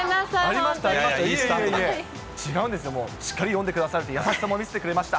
ありました、ありました、違うんですね、もう、しっかり読んでくださる優しさも見せてくれました。